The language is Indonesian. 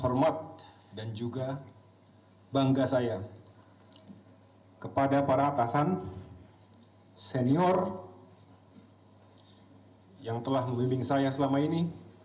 hormat dan juga bangga saya kepada para atasan senior yang telah membimbing saya selama ini